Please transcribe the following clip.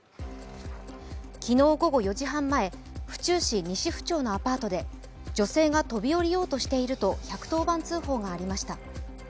昨日午後４時半前、府中市のアパートで女性が飛び降りようとしていると１１０番通報がありました。